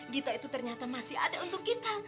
gitu itu ternyata masih ada untuk gita